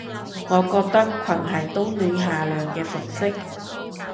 我覺得裙係冬暖夏涼嘅服飾